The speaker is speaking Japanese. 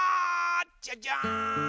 じゃじゃん！